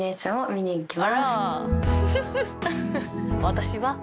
「私は」